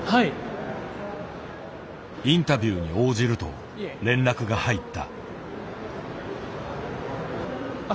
インタビューに応じると連絡が入った。